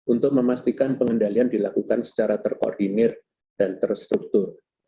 untuk memastikan pengendalian dilakukan secara terkoordinir dan terstruktur